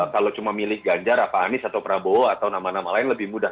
kalau cuma milih ganjar apa anies atau prabowo atau nama nama lain lebih mudah